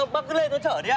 bác cứ lên cháu trở đi ạ